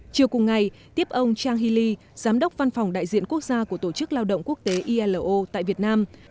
chiều cùng ngày tiếp ông chang hee lee giám đốc văn phòng đại diện quốc gia của tổ chức lao động quốc tế ilo tại việt nam